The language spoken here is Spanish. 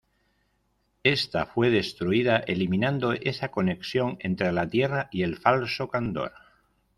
Ésta fue destruida, eliminando esa conexión entre la Tierra y el falso Kandor.